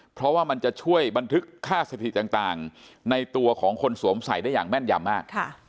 เพราะว่ามันจะช่วยบันทึกค่าสถิติต่างในตัวของคนสวมใส่ได้อย่างแม่นยำมาก